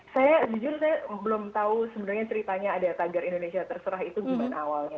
saya jujur saya belum tahu sebenarnya ceritanya ada tagar indonesia terserah itu gimana awalnya